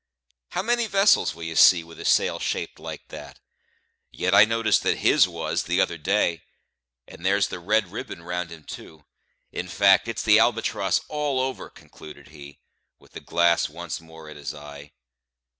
How many vessels will ye see with a sail shaped like that? Yet I noticed that his was, the other day. And there's the red ribbon round him too; in fact, it's the Albatross all over," concluded he, with the glass once more at his eye.